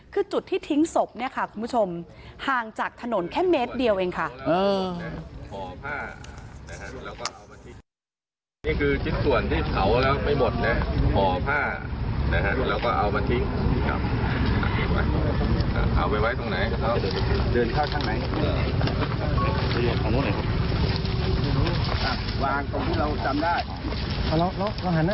คือจุดที่ทิ้งศพเนี่ยค่ะคุณผู้ชมห่างจากถนนแค่เมตรเดียวเองค่ะ